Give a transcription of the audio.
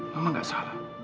mama gak salah